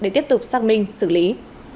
giúp xác minh xử lý